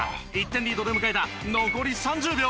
１点リードで迎えた残り３０秒。